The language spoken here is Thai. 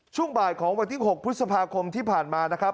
ช่วงบ่ายของวันที่๖พฤษภาคมที่ผ่านมานะครับ